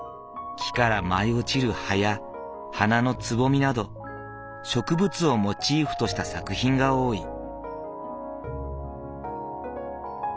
木から舞い落ちる葉や花のつぼみなど植物をモチーフとした作品が多い。